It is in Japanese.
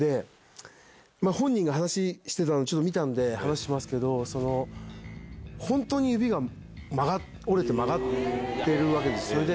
本人が話してたの見たんで話しますけど本当に指が折れて曲がってるわけですよ。